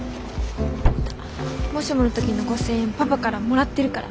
もしもの時の５，０００円パパからもらってるから。